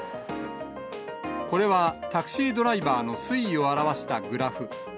これはタクシードライバーの推移を表したグラフ。